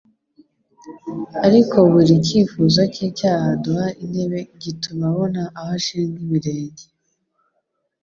Ariko buri cyifuzo cy'icyaha duha intebe gituma abona aho ashinga ibirenge